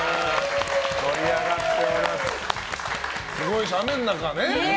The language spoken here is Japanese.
すごい、雨の中ね。